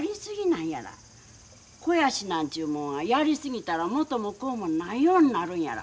肥やしなんちゅうもんはやり過ぎたら元も子もないようになるんやら。